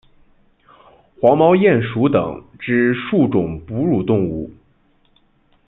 黄毛鼹属等之数种哺乳动物。